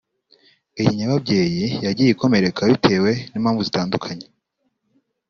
Iyo nyababyeyi yagiye ikomereka bitewe n’impamvu zitandukanye